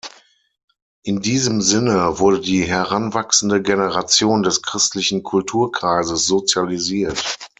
In diesem Sinne wurde die heranwachsende Generation des christlichen Kulturkreises sozialisiert.